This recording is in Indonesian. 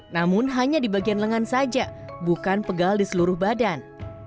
namun hanya di bagian lengan saja bukan pegal di seluruh badan